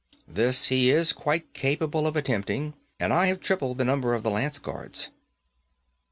This he is quite capable of attempting, and I have tripled the numbers of the lance guards.